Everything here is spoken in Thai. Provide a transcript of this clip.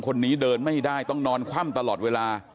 คนนี้เดินไม่ได้ต้องนอนคว่ำตลอดเวลา